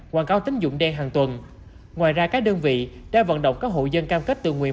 quảng cáo tín dụng đen hàng tuần ngoài ra các đơn vị đã vận động các hộ dân cam kết từ nguyên